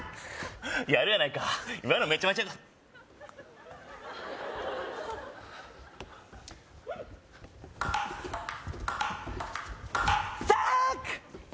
やるやないか今のめちゃめちゃさぁ！